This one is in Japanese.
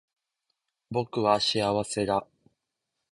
僕は幸せだ